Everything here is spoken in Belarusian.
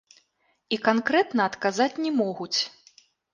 І канкрэтна адказаць не могуць.